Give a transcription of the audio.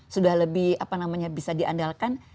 sudah lebih apa namanya bisa diandalkan